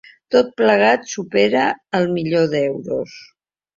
Tot plegat supera el milió d’euros.